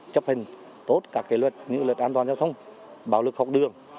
chấp hình tốt các cái luật những luật an toàn giao thông bảo lực học đường